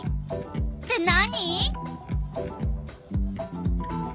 って何？